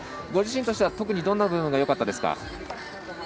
ご自身として特にどんな部分がよかったですか。